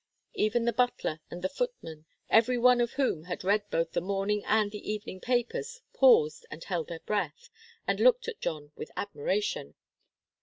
Even the butler and the footmen, every one of whom had read both the morning and the evening papers, paused and held their breath, and looked at John with admiration.